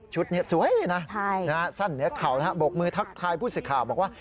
ชุดนี้สวยนะสั้นเดี๋ยวข่าวนะครับบกมือทักทายผู้สิทธิ์ข่าวบอกว่า